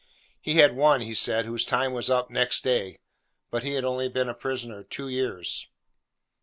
He had one, he said, whose time was up next day; but he had only been a prisoner two years.